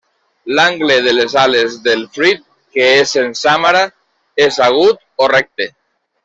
L'angle de les ales del fruit, que és en sàmara, és agut o recte.